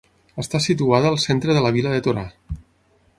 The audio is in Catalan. Està situada al centre de la vila de Torà.